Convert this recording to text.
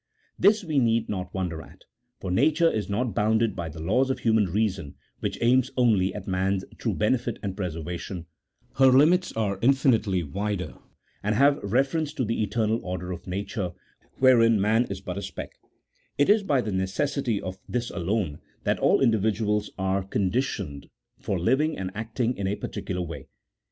This we need not wonder at, for nature is not bounded by the laws of human reason, which aims only at man's true benefit and preservation ; her limits are infinitely wider, and have reference to the eternal order of nature, wherein man is but a speck ; it is by the necessity of this alone that all individuals are conditioned for living and acting in a particular way.